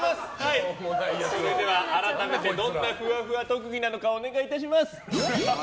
それでは改めてどんなふわふわ特技なのかお願いします。